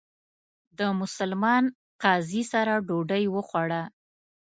د مسلمان قاضي سره ډوډۍ وخوړه.